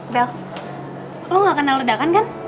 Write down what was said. bel lu gak kena ledakan kan